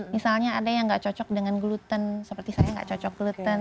misalnya ada yang gak cocok dengan gluten seperti saya nggak cocok gluten